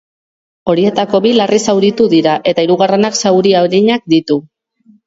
Horietako bi larri zauritu dira eta hirugarrenak zauri arinak ditu.